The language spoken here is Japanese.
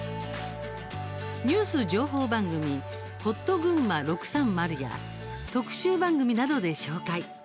ニュース情報番組「ほっとぐんま６３０」や特集番組などで紹介。